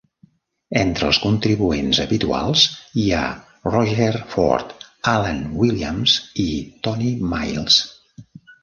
Entre els contribuents habituals hi ha Roger Ford, Alan Williams i Tony Miles.